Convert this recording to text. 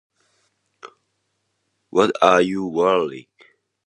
What are you wearing?